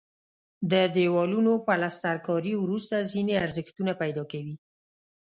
د دیوالونو پلستر کاري وروسته ځینې ارزښتونه پیدا کوي.